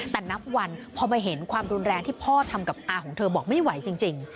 แต่นับวันพอมาเห็นความรุนแรงที่พ่อทำกับอาของเธอบอกไม่ไหวจริง